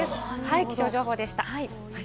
気象情報でした。